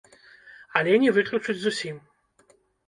Але не выключыць зусім!